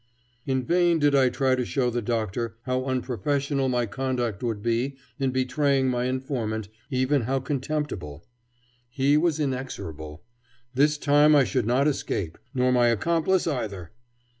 In vain did I try to show the Doctor how unprofessional my conduct would be in betraying my informant, even how contemptible. He was inexorable. This time I should not escape, nor my accomplice either.